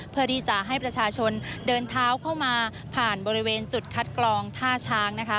เพื่อที่จะให้ประชาชนเดินเท้าเข้ามาผ่านบริเวณจุดคัดกรองท่าช้างนะคะ